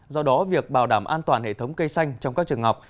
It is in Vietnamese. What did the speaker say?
do đó việc bảo đảm an toàn hệ thống cây xanh trong các trường học